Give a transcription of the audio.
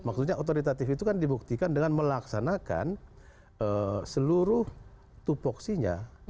maksudnya otoritatif itu kan dibuktikan dengan melaksanakan seluruh tupoksinya